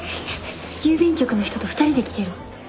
郵便局の人と２人で来てる。